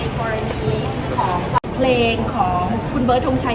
สวัสดีครับ